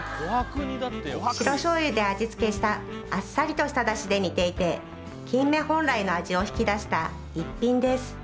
白醤油で味付けしたあっさりとしただしで煮ていて金目本来の味を引き出した逸品です